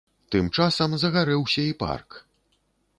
Тым часам загарэўся і парк.